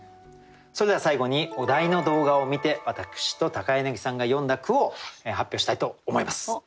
それでは最後にお題の動画を観て私と柳さんが詠んだ句を発表したいと思います。